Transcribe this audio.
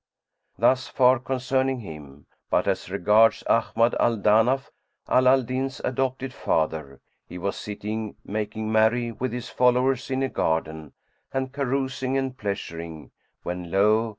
Thus far concerning him; but as regards Ahmad al Danaf, Ala al Din's adopted father, he was sitting making merry with his followers in a garden, and carousing and pleasuring when lo!